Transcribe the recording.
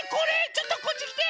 ちょっとこっちきて！